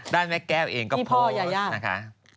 ด้านแม่แก้วเองก็โพสต์นะคะ